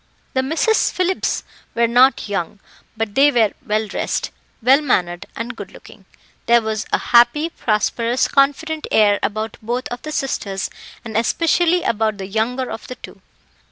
The Misses Phillips were not young, but they were well dressed, well mannered, and good looking. There was a happy, prosperous, confident air about both of the sisters, and especially about the younger of the two.